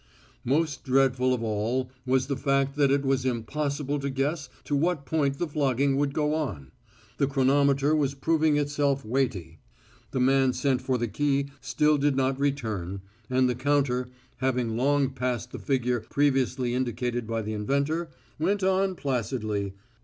Most dreadful of all was the fact that it was impossible to guess to what point the flogging would go on. The chronometer was proving itself weighty. The man sent for the key still did not return, and the counter, having long since passed the figure previously indicated by the inventor, went on placidly.